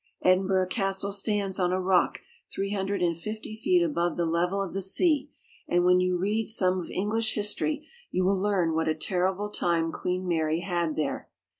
Edinburgh castle stands on a THE SCOTTISH HIGHLANDS. 43 rock three hundred and fifty feet above the level of the sea, and when you read more of English history you will learn what a terrible time Queen Mary had here.